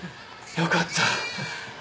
よかった。